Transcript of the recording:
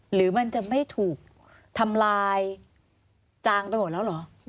หรือมันจะไม่ถูกทำลายจางไปหมดแล้วเหรอ